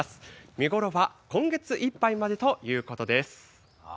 見頃は今月いっぱいまでということです。